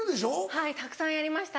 はいたくさんやりました。